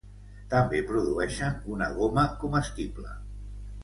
També produeixen una goma comestible.